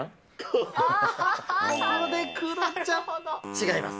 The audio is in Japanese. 違います。